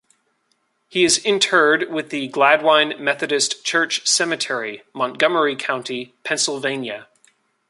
He is interred in the Gladwyne Methodist Church Cemetery, Montgomery County, Pennsylvania.